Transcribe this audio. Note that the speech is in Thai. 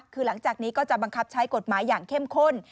คือหลังจากนี้ก็จะบังคับใช้กฎหมายอย่างเข้มข้น